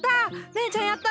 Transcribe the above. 姉ちゃんやったな！